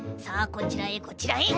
こちらへこちらへ。